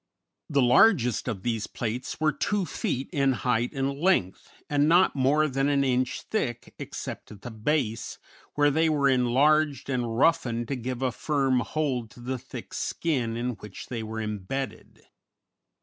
_] The largest of these plates were two feet in height and length, and not more than an inch thick, except at the base, where they were enlarged and roughened to give a firm hold to the thick skin in which they were imbedded.